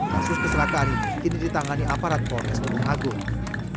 kasus keserakaan ini ditangani aparat polres keputusan agung